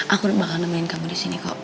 aku bakal nemenin kamu disini kok